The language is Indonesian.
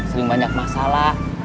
sering banyak masalah